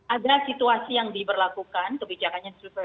ada situasi yang diberlakukan kebijakannya seluruh ppkm